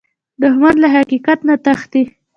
دښمن له حقیقت نه تښتي